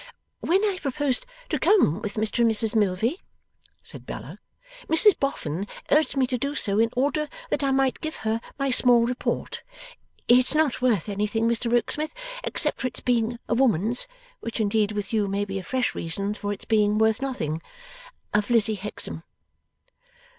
'When I proposed to come with Mr and Mrs Milvey,' said Bella, 'Mrs Boffin urged me to do so, in order that I might give her my small report it's not worth anything, Mr Rokesmith, except for it's being a woman's which indeed with you may be a fresh reason for it's being worth nothing of Lizzie Hexam.